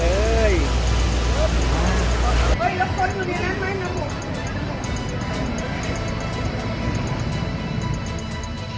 เฮ้ยแล้วคนตัวเนี้ยน่ะแม่งน้ำน้ำ